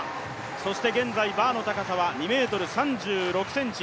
そして現在バーの高さは２ｍ３６ｃｍ。